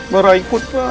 marah ikut pak